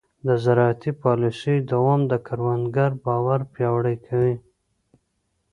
د زراعتي پالیسیو دوام د کروندګر باور پیاوړی کوي.